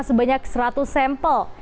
sebanyak seratus sampel